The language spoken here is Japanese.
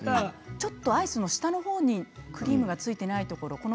ちょっとアイスの下の方にクリームがついてないところ。